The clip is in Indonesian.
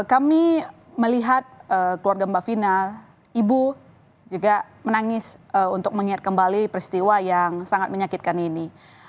kami melihat keluarga mbak vina ibu juga menangis untuk mengingat kembali peristiwa yang sangat menyakitkan ini